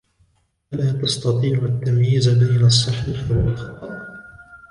ألا تستطيع التمييز بين الصحيح والخطأ ؟